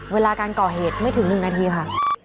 เวลาการก่อเหตุไม่ถึง๑นาทีค่ะ